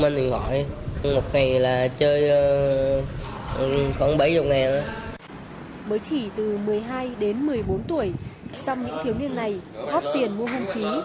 mới chỉ từ một mươi hai đến một mươi bốn tuổi song những thiếu niên này góp tiền mua hung khí